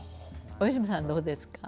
大泉さんはどうですか？